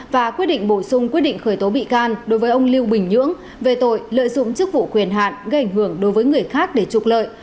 và quyết định bổ sung quyết định khởi tố bị can đối với ông lưu bình nhưỡng về tội lợi dụng chức vụ quyền hạn gây ảnh hưởng đối với người khác để trục lợi